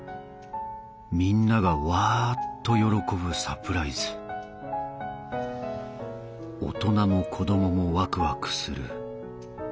みんながわっと喜ぶサプライズ大人も子供もワクワクする。